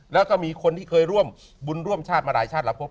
แล้วก็มีคนที่เคยร่วมบุญร่วมชาติมาหลายชาติแล้วพบ